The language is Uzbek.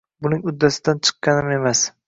Buning uddasidan chiqqanim emas.